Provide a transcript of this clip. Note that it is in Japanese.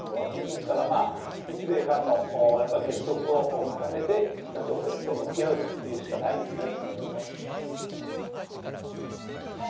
ですから、日米韓の結束を固めて、北朝鮮と向き合うしかないんですね。